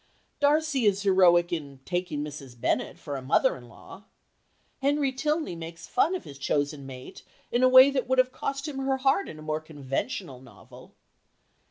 Darcy is heroic in taking Mrs. Bennet for a mother in law; Henry Tilney makes fun of his chosen mate in a way that would have cost him her heart in a more conventional novel.